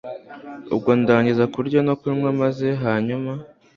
ubwo ndangiza kurya no kunywa maze hanyuma